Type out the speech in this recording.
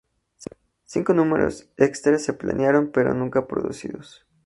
Cinco números extras se planearon, pero nunca producidos.